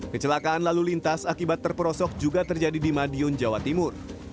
kecelakaan lalu lintas akibat terperosok juga terjadi di madiun jawa timur